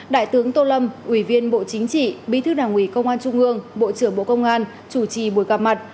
đại tướng tô lâm ủy viên bộ chính trị bí thư đảng ủy công an trung ương bộ trưởng bộ công an chủ trì buổi gặp mặt